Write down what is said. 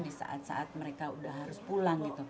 di saat saat mereka udah harus pulang gitu